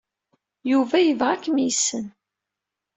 Yuba yebɣa ad kem-yessen.